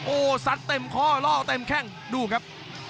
โอ้สัดเต็มคอล่อเต็มแข่งดูครับ